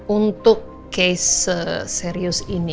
untuk case serius ini